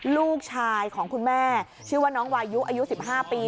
ลูกชายของคุณแม่ชื่อว่าน้องวายุอายุ๑๕ปี